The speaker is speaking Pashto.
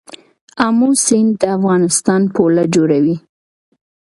امو سیند د افغانستان پوله جوړوي.